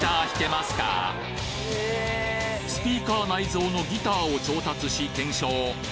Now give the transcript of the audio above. スピーカー内蔵のギターを調達し検証